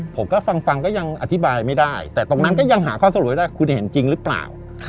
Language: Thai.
ผมก็ฟังก็ยังอธิบายไม่ได้แต่ตรงนั้นก็ยังหาข้อสรุปให้ได้คุณเห็นจริงหรือเปล่า